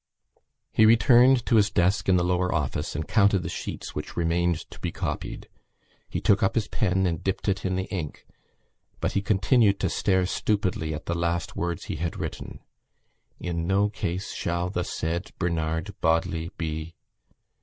He returned to his desk in the lower office and counted the sheets which remained to be copied. He took up his pen and dipped it in the ink but he continued to stare stupidly at the last words he had written: _In no case shall the said Bernard Bodley be....